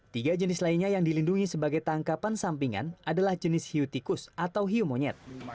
tiga jenis lainnya yang dilindungi sebagai tangkapan sampingan adalah jenis hiu tikus atau hiu monyet